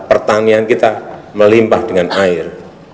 pertanian kita melimpah dengan air